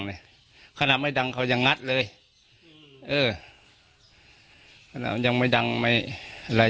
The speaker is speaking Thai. เนี้ยขนาดไม่ดังเขายังงัดเลยอืมเออขนาดยังไม่ดังไม่อะไร